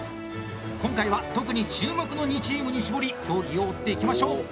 今回は特に注目の２チームに絞り競技を追っていきましょう。